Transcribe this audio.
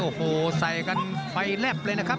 โอ้โหใส่กันไฟแลบเลยนะครับ